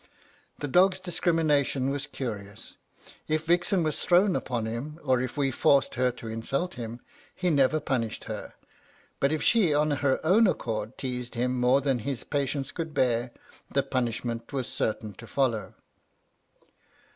The dog's discrimination was curious. If Vixen was thrown upon him, or if we forced her to insult him, he never punished her; but if she of her own accord teazed him more than his patience could bear, the punishment was certain to follow.